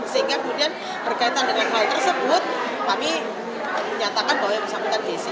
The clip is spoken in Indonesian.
sehingga kemudian berkaitan dengan hal tersebut kami menyatakan bahwa yang bersangkutan gc